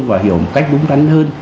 và hiểu một cách đúng đắn hơn